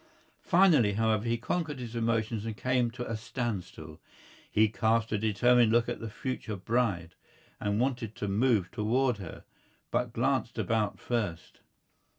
Finally, however, he conquered his emotions and came to a standstill. He cast a determined look at the future bride and wanted to move toward her, but glanced about first.